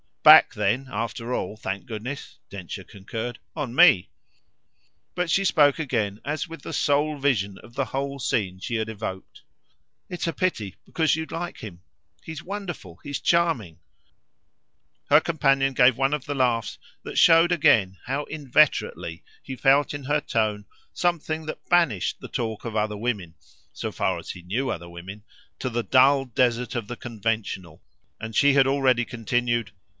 "Back then, after all, thank goodness," Densher concurred, "on me." But she spoke again as with the sole vision of the whole scene she had evoked. "It's a pity, because you'd like him. He's wonderful he's charming." Her companion gave one of the laughs that showed again how inveterately he felt in her tone something that banished the talk of other women, so far as he knew other women, to the dull desert of the conventional, and she had already continued.